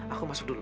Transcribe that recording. aku masuk dulu